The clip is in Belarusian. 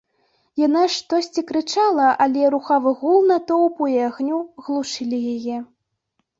Яна штосьці крычала, але рухавы гул натоўпу і агню глушыў яе.